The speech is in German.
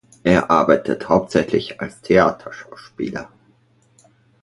Er arbeitet hauptsächlich als Theaterschauspieler.